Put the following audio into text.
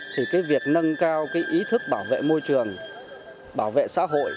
thì việc nâng cao ý thức bảo vệ môi trường bảo vệ xã hội